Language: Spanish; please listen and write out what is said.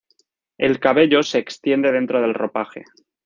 El cabello se extiende dentro del ropaje.